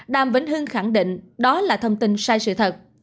đàm vĩnh hưng khẳng định đó là thông tin sai sự thật